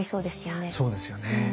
そうですよね。